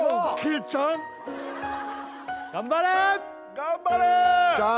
頑張れー！